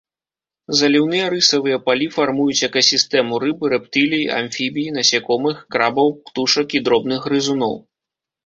Заліўныя рысавыя палі фармуюць экасістэму рыб, рэптылій, амфібій, насякомых, крабаў, птушак і дробных грызуноў.